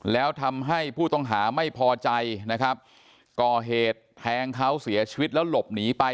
แล้วทำให้ผู้ต้องหาไม่พอใจนะครับก่อเหตุแทงเขาเสียชีวิตแล้วหลบหนีไป